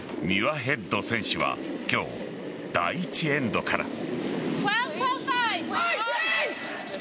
ミュアヘッド選手は今日、第１エンドから。